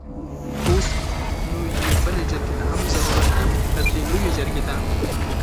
اوس نو يوې بلې جرګې ته هم ضرورت دی؛ تردې لويې جرګې ته!